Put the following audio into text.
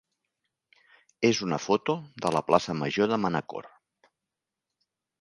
és una foto de la plaça major de Manacor.